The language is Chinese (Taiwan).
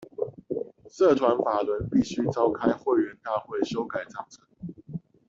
社團法人必須召開會員大會修改章程